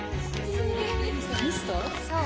そう。